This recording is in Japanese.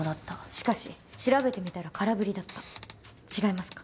しかし調べてみたら空振りだった違いますか？